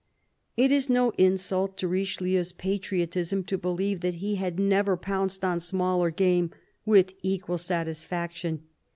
It is no insult to Richelieu's patriotism to believe that he had never pounced on smaller game with equal satis faction.